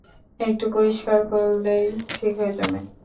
একটু পরিষ্কার করলেই ঠিক হয়ে যাবে।